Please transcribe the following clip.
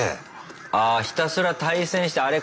あひたすら対戦してあれ？